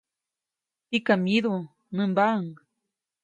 Tikam myidu, nämbaʼuŋ.